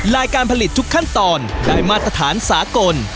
ลายการผลิตทุกขั้นตอนได้มาตรฐานสากล